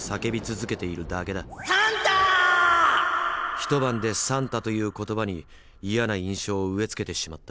一晩で「サンタ」という言葉に嫌な印象を植え付けてしまった。